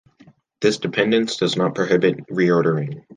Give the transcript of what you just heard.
This dependence does not prohibit reordering.